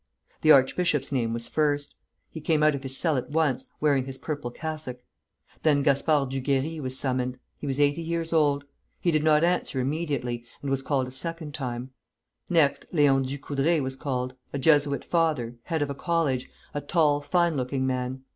The archbishop's name was first. He came out of his cell at once, wearing his purple cassock. Then Gaspard Duguerrey was summoned. He was eighty years old. He did not answer immediately, and was called a second time. Next, Léon Ducoudray was called, a Jesuit father, head of a college, a tall, fine looking man.